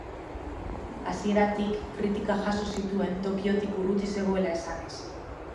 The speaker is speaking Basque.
Hasieratik kritikak jaso zituen Tokiotik urruti zegoela esanez.